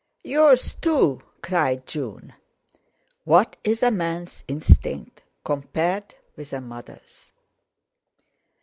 "Yours too," cried June. "What is a man's instinct compared with a mother's?"